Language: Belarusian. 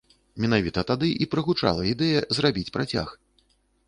Менавіта тады і прагучала ідэя зрабіць працяг.